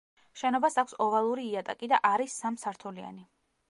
შენობას აქვს ოვალური იატაკი და არის სამ სართულიანი.